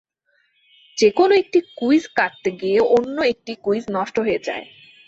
যেকোনো একটি কুইজ কাটতে গিয়ে অন্য একটি কুইজ নষ্ট হয়ে যায়।